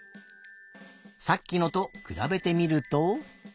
さっきのとくらべてみると。